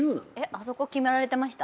あそこ決められてました？